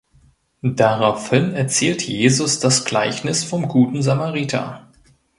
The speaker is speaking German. Daraufhin erzählt Jesus das Gleichnis vom guten Samariter.